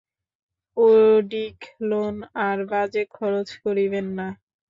Eau de cologne আর বাজে খরচ করিবেন না।